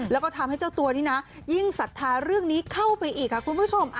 แล้วก็ทำให้เจ้าตัวนี้นะยิ่งศรัทธาเรื่องนี้เข้าไปอีกค่ะคุณผู้ชม